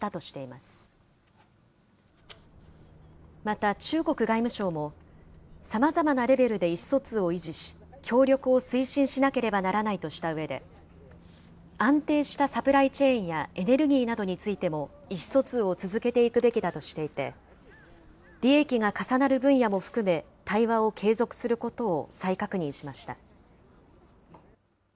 また、中国外務省も、さまざまなレベルで意思疎通を維持し、協力を推進しなければならないとしたうえで、安定したサプライチェーンやエネルギーなどについても意思疎通を続けていくべきだとしていて、利益が重なる分野も含め、対話を継続することを再確認しました。